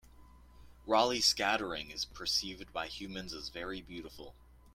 Raleigh scattering is perceived by humans as very beautiful.